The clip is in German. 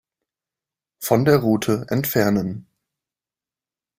Von der Route entfernen.